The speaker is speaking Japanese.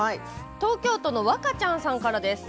東京都のわかちゃんさんからです。